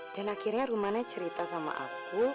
dan akhirnya rumannya cerita sama aku